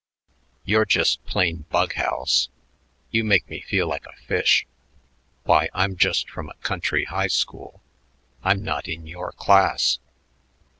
"You're just plain bug house. You make me feel like a fish. Why, I'm just from a country high school. I'm not in your class."